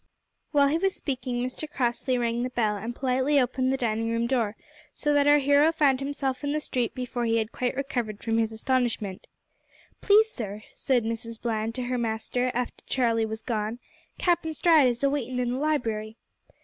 While he was speaking Mr Crossley rang the bell and politely opened the dining room door, so that our hero found himself in the street before he had quite recovered from his astonishment. "Please, sir," said Mrs Bland to her master after Charlie was gone, "Cap'en Stride is awaitin' in the library."